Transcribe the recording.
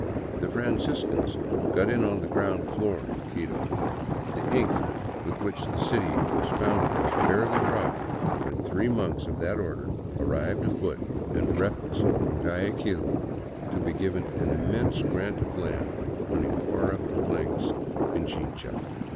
The Franciscans got in on the ground floor in Quito. The ink with which the city was founded was barely dry when three monks of that order arrived afoot 139 VAGABONDING DOWN THE ANDES and breathless from Guayaquil ; to be given an immense grant of land running far up the flanks of Pichincha.